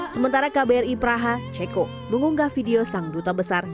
sementara kbri praha ceko mengunggah video sang duta besar